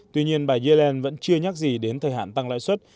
tuy nhiên bà yellen vẫn chưa nhắc gì đến thời hạn tăng lãi suất